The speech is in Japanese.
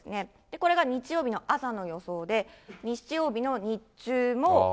これが日曜日の朝の予想で、日曜日の日中も。